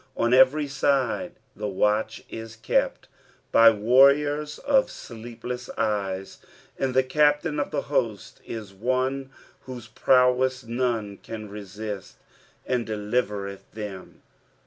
On every side the watch is kept by warriors of aleepleas cyeu, and the Captain af the host is one whose prowess none can resist. "And deliwreth then."